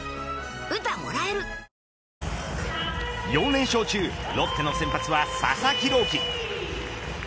４連勝中ロッテの先発は佐々木朗希。